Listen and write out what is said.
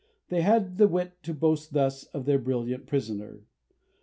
They had the wit to boast thus of their brilliant prisoner.